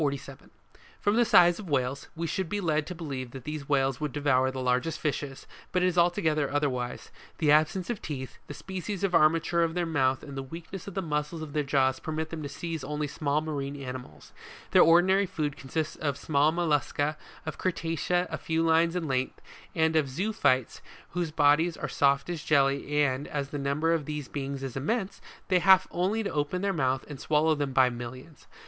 From the size of Whales, we should be led to believe that these animals would devour the largest fishes, but it is altogether otherwise ; the absence of teeth, the species of armature of their mouth and the weakness of the muscles of their jaws permit them to seize only small marine animals; their ordinary food consists of small moliusca, of Crustacea a few lines in length, and of zoophytes whose bodies are soft as jelly, and, as the number of these beings is immense, they have only to open the mouth to swallow them by millions.